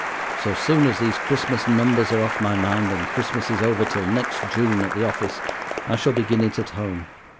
So soon as these Christmas numbers are off my mind, and Christmas is over till next June at the office, I shall begin it at home.